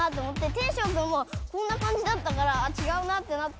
テッショウくんもこんなかんじだったからあちがうなってなって。